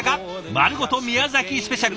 「まるごと宮崎スペシャル」。